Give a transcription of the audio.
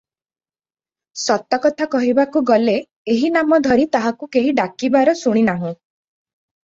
ସତ କଥା କହିବାକୁ ଗଲେ ଏହିନାମ ଧରି ତାହାକୁ କେହି ଡାକିବାର ଶୁଣିନାହୁଁ ।